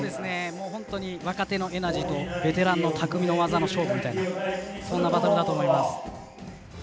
もう本当に若手のエナジーとベテランの匠の技の勝負みたいなそんなバトルだと思います。